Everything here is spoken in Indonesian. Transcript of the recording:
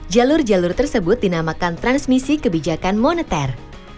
jalur jalur tersebut dinamakan transmisi kebijakan moneter